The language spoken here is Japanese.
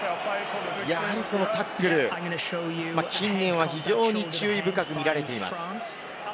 やはりタックル、近年は非常に注意深く見られています。